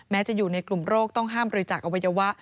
จะอยู่ในกลุ่มโรคต้องห้ามบริจาคอวัยวะ